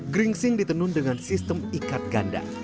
gringsing ditenun dengan sistem ikat ganda